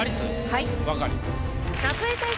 はい。